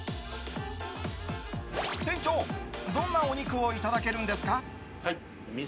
店長、どんなお肉をいただけるんですか？